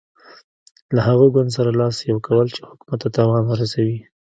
له هغه ګوند سره لاس یو کول چې حکومت ته تاوان ورسوي.